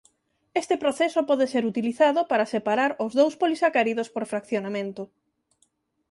Este proceso pode ser utilizado para separar os dous polisacáridos por fraccionamento.